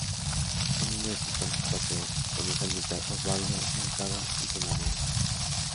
En uno de sus tantos paseos, conoce al militar Osvaldo Moncada y se enamoran.